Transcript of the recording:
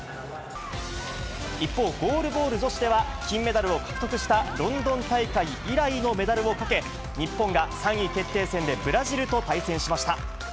一方、ゴールボール女子では、金メダルを獲得したロンドン大会以来のメダルをかけ、日本が３位決定戦でブラジルと対戦しました。